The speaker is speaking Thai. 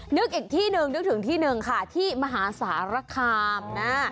นึกอีกที่หนึ่งนึกถึงที่หนึ่งค่ะที่มหาสารคามนะ